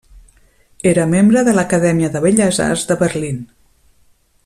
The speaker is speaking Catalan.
Era membre de l'Acadèmia de Belles Arts de Berlín.